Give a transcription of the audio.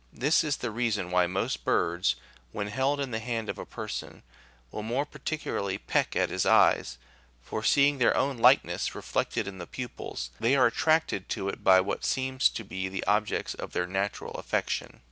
This97 is the reason why most birds, when held in the hand of a person, will more particularly peck at his eyes ; for seeing their own likeness reflected in the pupils, they are attracted to it by what seem to be the objects of their natural affection.